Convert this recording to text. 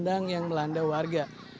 dan menyebabkan melanda warga